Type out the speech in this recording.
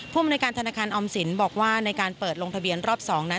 ภูมิในการธนาคารออมสินบอกว่าในการเปิดลงทะเบียนรอบ๒นั้น